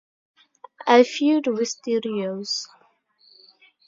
I feud with studios.